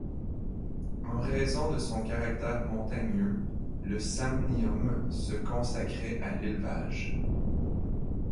En raison de son caractère montagneux, le Samnium se consacrait à l'élevage.